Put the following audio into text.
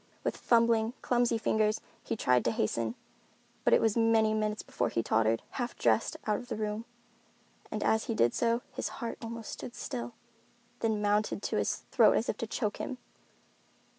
With fumbling, clumsy fingers he tried to hasten, but it was many minutes before he tottered, half dressed, out of the room. And as he did so, his heart almost stood still, then mounted to his throat as if to choke him.